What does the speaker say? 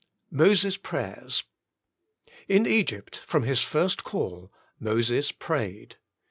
Moses' Prayers. — In Egypt, from his first call, Moses prayed.